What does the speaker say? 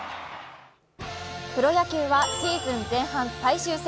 プロ野球はシーズン前半最終戦。